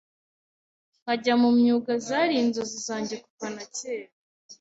nkajya mu myuga zari inzozi zange kuva na kera